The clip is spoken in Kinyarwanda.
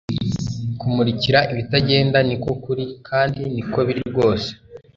kumurikira ibitagenda niko kuri kandi niko biri rwose